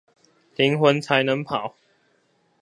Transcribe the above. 靈魂才能跑